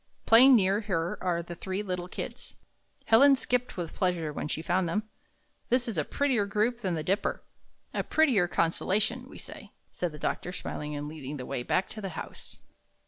Playing near her are the three little Kids." Helen skipped with pleasure when she found them. "This is a prettier group than the Dipper." "A prettier constellation, we say," said the doctor, smiling and leading the way back to the house.